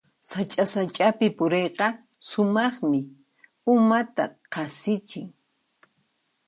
Sacha-sachapi puriyqa sumaqmi, umata qasichin.